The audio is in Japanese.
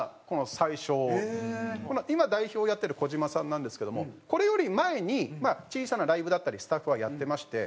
今代表をやってる児島さんなんですけどもこれより前に小さなライブだったりスタッフはやってまして。